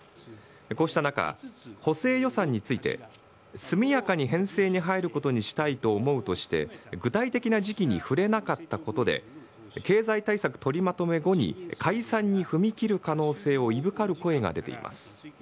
こうした中、補正予算について、速やかに編成に入ることにしたいと思うとして、具体的な時期にふれなかったことで、経済対策取りまとめ後に解散に踏み切る可能性をいぶかる声が出ています。